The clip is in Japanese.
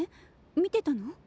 見てたの？